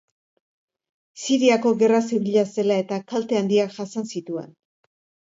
Siriako Gerra Zibila zela eta, kalte handiak jasan zituen.